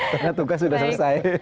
karena tugas sudah selesai